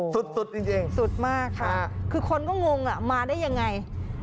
สุดสุดจริงสุดมากค่ะคือคนก็งงอ่ะมาได้ยังไง